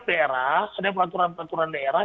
daerah ada peraturan peraturan daerah